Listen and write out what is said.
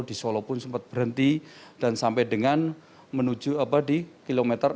di solo pun sempat berhenti dan sampai dengan menuju apa di kilometer enam puluh